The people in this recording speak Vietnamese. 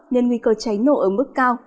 nên nguy cơ cháy nổ ở mức cao